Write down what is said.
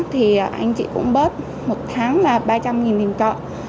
thì anh chị cũng bớt một tháng là ba trăm linh nghìn tiền trọ